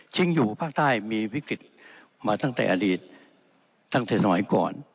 อยู่ภาคใต้มีวิกฤตมาตั้งแต่อดีตตั้งแต่สมัยก่อน